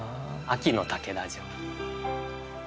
秋の竹田城。